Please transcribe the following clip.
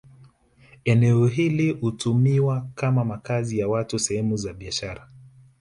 Eneo hili hutumiwa kama makazi ya watu sehemu za biashara